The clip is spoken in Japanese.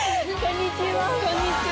こんにちは。